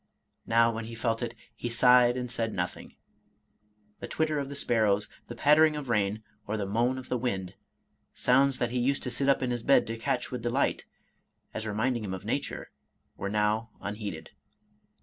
Now when he felt it, he sighed and said nothing. The twitter of the sparrows, the pattering of rain, or the moan of the wind, sounds that he used to sit up in his bed to catch with de light, as reminding him of nature, were now unheeded.